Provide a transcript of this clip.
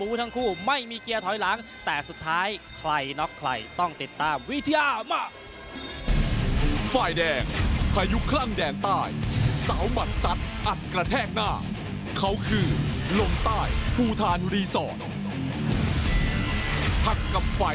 โอ้โหคู่แรกของการถ่ายรถสดพี่ชัย